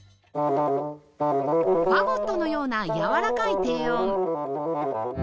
ファゴットのようなやわらかい低音